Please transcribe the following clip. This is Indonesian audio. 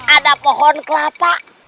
ada pohon kelapa